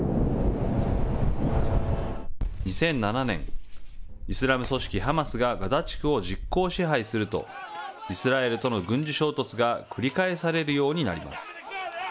２００７年、イスラム組織ハマスがガザ地区を実効支配するとイスラエルとの軍事衝突が繰り返されるようになります。